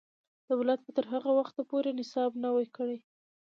دولت به تر هغه وخته پورې نصاب نوی کوي.